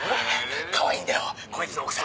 かわいいんだよこいつの奥さん。